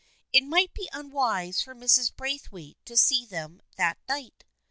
It might be unwise for Mrs. Braith waite to see them that night.